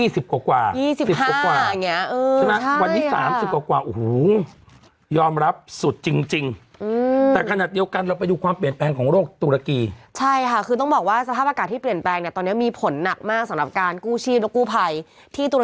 สามสิบห้าค่ะดูสิอาทิตย์ที่แล้วเรายังอยู่ที่ยี่สิบ